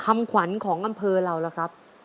คำขวัญของอำเภอเราล่ะครับ